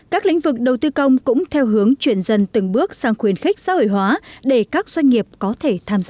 các lĩnh vực đầu tư công cũng theo hướng chuyển dần từng bước sang khuyến khích xã hội hóa để các doanh nghiệp có thể tham gia